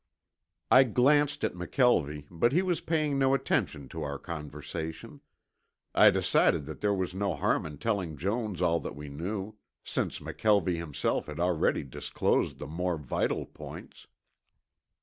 I glanced at McKelvie, but he was paying no attention to our conversation. I decided that there was no harm in telling Jones all that we knew, since McKelvie himself had already disclosed the more vital points.